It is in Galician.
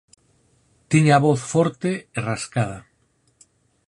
Tiña a voz forte e rascada.